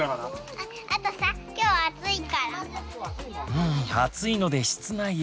うん暑いので室内へ。